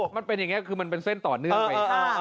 มันเป็นอย่างนี้คือมันเป็นเส้นต่อเนื่องไป